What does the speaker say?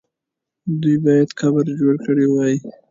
دوی باید قبر جوړ کړی وای.